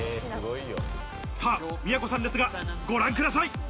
さぁ都さんですが、ご覧ください。